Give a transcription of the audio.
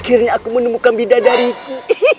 akhirnya aku menemukan bidadariku